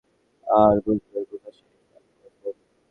আর বুঝবে ওই বোকা শেরিফ আর ওর বউ।